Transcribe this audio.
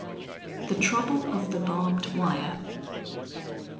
THE TROUBLE OF THE BARBED WIRE.